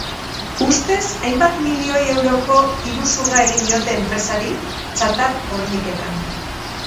Ustez, hainbat milioi euroko iruzurra egin diote enpresari, txatar horniketan.